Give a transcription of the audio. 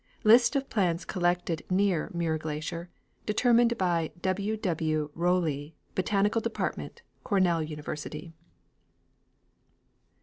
LLST OF PLANTS COLLECTED NEAR MUIR GLACIER ; DETEEMINED BY W. W. ROWLEE, BOTANICAL DEPARTMENT, CORNELL UNIVERSITY.